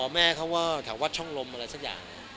แม่เขาก็แถววัดช่องลมอะไรสักอย่าง